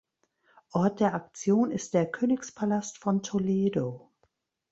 Ort der Aktion ist der Königspalast von Toledo.